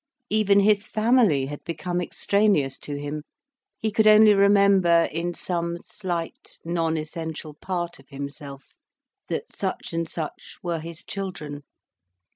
Even his family had become extraneous to him, he could only remember, in some slight non essential part of himself, that such and such were his children.